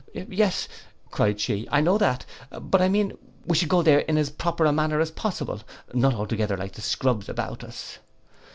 '—'Yes,' cried she, 'I know that; but I mean we should go there in as proper a manner as possible; not altogether like the scrubs about us.